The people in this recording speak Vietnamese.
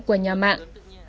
của nhà mạng